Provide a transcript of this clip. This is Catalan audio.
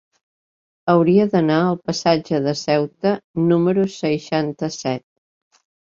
Hauria d'anar al passatge de Ceuta número seixanta-set.